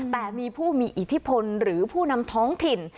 แต่มีผู้มีอิทธิพลหรือผู้นำท้องถิ่น